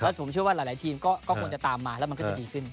ผมเชื่อว่าหลายทีมก็ควรจะตามมาแล้วมันก็จะดีขึ้น